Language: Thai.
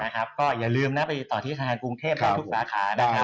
ก็อย่าลืมนะไปต่อที่คังคังกรุงเทพทุกสาขานะครับ